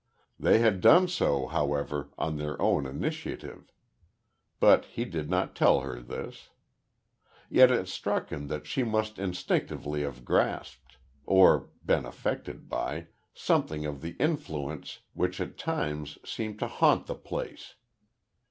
They had done so, however, on their own initiative. But he did not tell her this. Yet it struck him that she must instinctively have grasped or been affected by something of the "influence" which at times seemed to haunt the place.